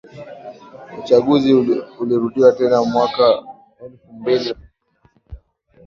Uchaguzi ulirudiwa tena mwaka elfu mbili na kumi na sita